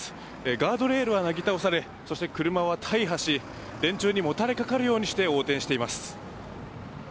ガードレールがなぎ倒されそして、車は大破し電柱にもたれかかるようにして横転しています。